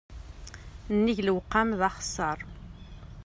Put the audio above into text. Nnig lewqam, d axeṣṣar.